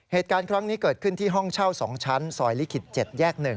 เหตุการณ์ครั้งนี้เกิดขึ้นที่ห้องเช่า๒ชั้นซอยลิขิต๗แยก๑